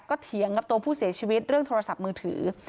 เถียงกับตัวผู้เสียชีวิตเรื่องโทรศัพท์มือถือ